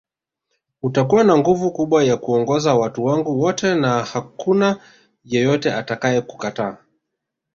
Utakuwa na nguvu kubwa ya kuongoza watu wangu wote na hakuna yeyote atakaye kukataa